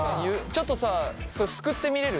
ちょっとさそれすくってみれる？